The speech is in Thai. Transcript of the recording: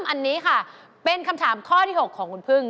อันนี้ค่ะเป็นคำถามข้อที่๖ของคุณพึ่ง